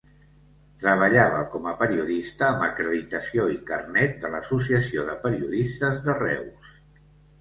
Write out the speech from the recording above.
Treballava com a periodista amb acreditació i carnet de l'Associació de Periodistes de Reus.